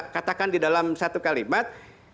katakan di dalam satu kalimat